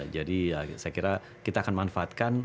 saya kira kita akan manfaatkan